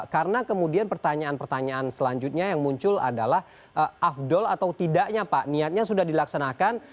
karena kemudian pertanyaan pertanyaan selanjutnya yang muncul adalah afdol atau tidaknya pak niatnya sudah dilaksanakan